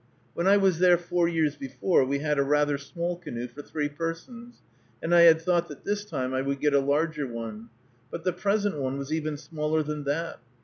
When I was there four years before, we had a rather small canoe for three persons, and I had thought that this time I would get a larger one, but the present one was even smaller than that.